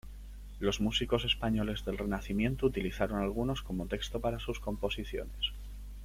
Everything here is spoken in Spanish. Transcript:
Los músicos españoles del Renacimiento utilizaron algunos como texto para sus composiciones.